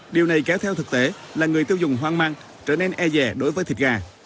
điều này kéo theo thực tế là người tiêu dùng hoang mang trở nên e dẻ đối với thịt gà